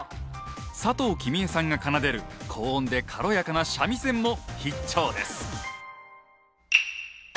佐藤貴美江さんが奏でる高音で軽やかな三味線も必聴です。